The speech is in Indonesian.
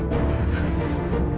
aku akan menangkanmu